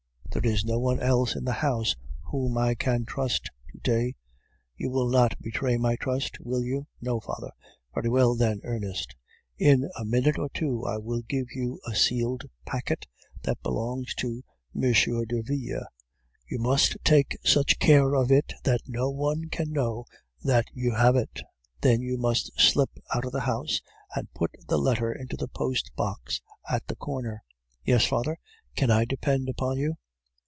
There is no one else in this house whom I can trust to day. You will not betray my trust, will you?' "'No, father.' "'Very well, then, Ernest, in a minute or two I will give you a sealed packet that belongs to M. Derville; you must take such care of it that no one can know that you have it; then you must slip out of the house and put the letter into the post box at the corner.' "'Yes, father.' "'Can I depend upon you?